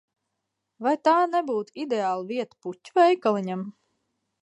Vai tā nebūtu ideāla vieta puķu veikaliņam?